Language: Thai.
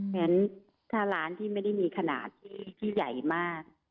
งั้นถ้าร้านที่ไม่ได้มีขนาดที่ใหญ่มาก